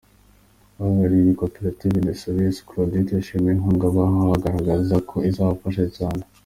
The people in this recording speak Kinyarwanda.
Uhagarariye iyi koperative, Dusabeyezu Claudette, yashimiye inkunga bahawe, agaragaza ko izabafasha cyane.